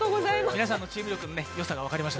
皆さんのチーム力のよさが分かりました。